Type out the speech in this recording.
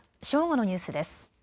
正午のニュースです。